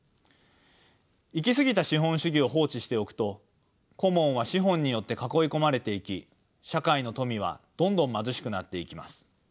行き過ぎた資本主義を放置しておくとコモンは資本によって囲い込まれていき社会の富はどんどん貧しくなっていきます。